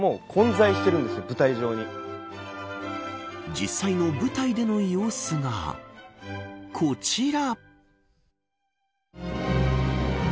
実際の舞台での様子がこちら。